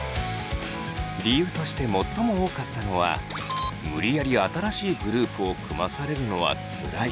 理由として最も多かったのは「無理やり新しいグループを組まされるのは辛い」でした。